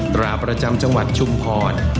ตราประจำจังหวัดชุมพร